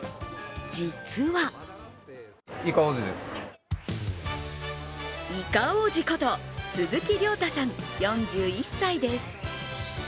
実はイカ王子こと、鈴木良太さん４１歳です。